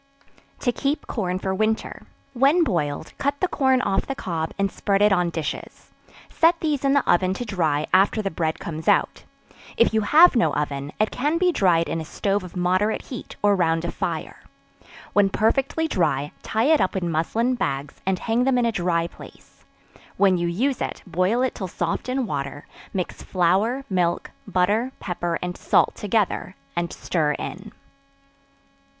To Keep Corn for Winter. When boiled, cut the corn off the cob, and spread it on dishes; set these in the oven to dry after the bread comes out. If you have no oven, it can be dried in a stove of moderate heat, or round a fire. When perfectly dry, tie it up in muslin bags, and hang them in a dry place; when you use it, boil it till soft in water; mix flour, milk, butter, pepper and salt together, and stir in.